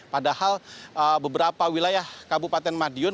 padahal beberapa wilayah kabupaten madiun